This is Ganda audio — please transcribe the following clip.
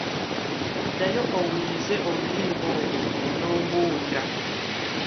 Ddayo owulirize oluyimba olwo onoombuulira.